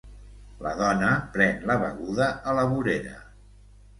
La dona pren la beguda a la vorera.